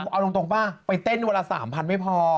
เอาตรงป่ะไปเต้นวันละ๓๐๐ไม่พอ